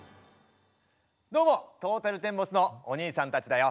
どうもトータルテンボスのおにいさんたちだよ。